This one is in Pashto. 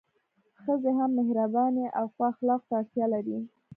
ښځي هم مهربانۍ او ښو اخلاقو ته اړتیا لري